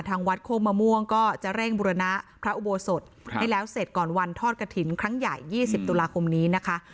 ทางวัดโคกมะม่วงก็จะเร่งบุรณะพระอุโบสถให้แล้วเสร็จก่อนวันทอดกระถิ่นครั้งใหญ่๒๐ตุลาคมนี้นะคะ